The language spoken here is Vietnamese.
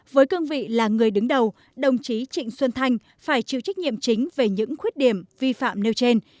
với cương vị là người đứng đầu đồng chí trịnh xuân thanh phải chịu trách nhiệm chính về những khuyết điểm vi phạm nêu trên